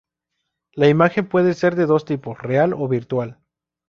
La imagen puede ser de dos tipos: real o virtual.